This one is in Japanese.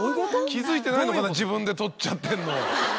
気付いてないのかな自分で撮っちゃってるの。